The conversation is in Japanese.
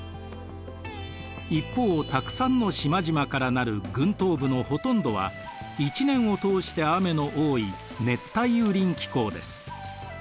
一方たくさんの島々から成る群島部のほとんどは１年を通して雨の多い熱帯雨林気候です。